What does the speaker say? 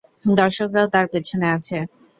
দর্শকরাও তার পেছনে আছে!